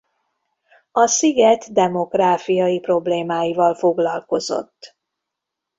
A sziget demográfiai problémáival foglalkozott.